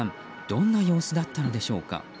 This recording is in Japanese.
どんな様子だったんでしょうか。